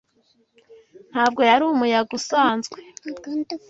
Ntabwo yari umuyaga usanzwe.